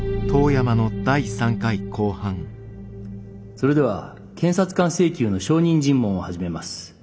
それでは検察官請求の証人尋問を始めます。